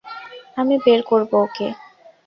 আমি বের করবো ওকে।